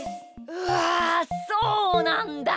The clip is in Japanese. うわそうなんだ！